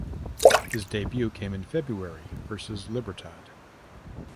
His debut came in February versus Libertad.